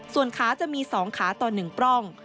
ส่วนขาจะมี๒ขาต่อ๑ปล้อง